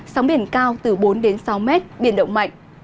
sóng biển cao từ bốn sáu m biển động mạnh